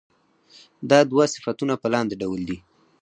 دا دوه صفتونه په لاندې ډول دي.